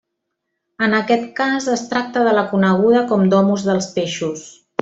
En aquest cas es tracta de la coneguda com Domus dels Peixos.